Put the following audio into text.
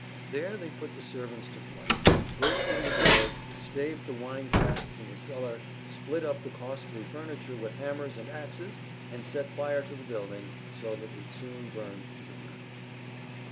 There they put the servants to flight, burst in the doors, staved the wine casks in the cellar, split up the costly furniture with hammers and axes and set fire to the building, so that it soon burned to the ground.